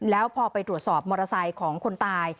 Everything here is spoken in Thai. แล้วพอไปตรวจสอบมอเตอร์ไซค์ของคนตาย